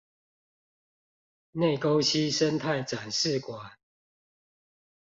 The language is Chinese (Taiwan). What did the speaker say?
內溝溪生態展示館